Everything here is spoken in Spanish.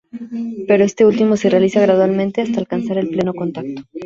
Pero este último se realiza gradualmente hasta alcanzar el pleno contacto.